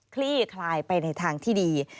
คลี่คลายไปในทางที่ดี